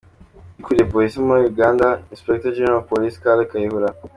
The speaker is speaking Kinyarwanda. Ukuriye Polisi muri Uganda, Inspector General of Police Kale Kayihura